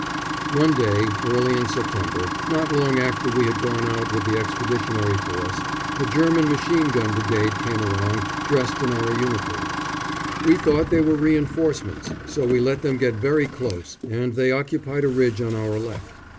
One day, early in September, not long after we had gone out with the Expeditionary Force, a German machine gun brigade came along, dressed in our uniform. We thought they were reinforcements, so we let them get very close and they occupied a ridge on our left.